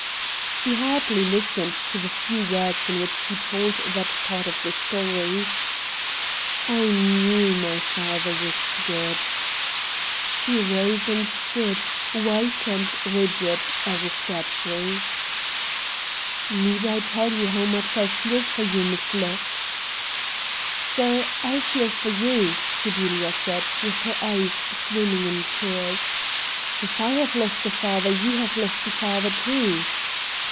She hardly listened to the few words in which he told that part of the story. ' I knew my father was dead.' She rose and stood, white and rigid as a statue. ' Need I tell you how much I feel for you, Miss Locke ?'' Sir, I feel for you,' Fidelia said, with her eyes swimming in tears. ' If I have lost a father you have lost a father too.'